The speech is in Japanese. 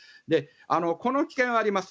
この危険はあります。